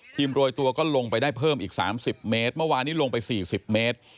ทีมโรยตัวก็ลงไปได้เพิ่มอีกสามสิบเมตรเมื่อวานี้ลงไปสี่สิบเมตร